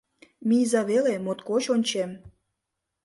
— Мийза веле, моткоч ончем.